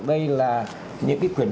đây là những cái cuốn